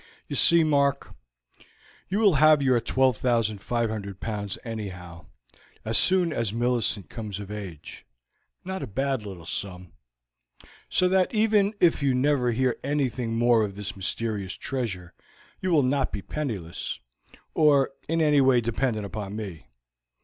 You see, Mark, you will have your 12,500 pounds anyhow, as soon as Millicent comes of age not a bad little sum so that even if you never hear anything more of this mysterious treasure you will not be penniless, or in anyway dependent upon me.